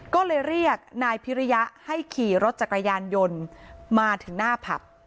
ก็เลยเรียกนายพิริยะให้ขี่รถจักรยานยนต์มาถึงหน้าผับ